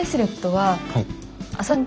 はい。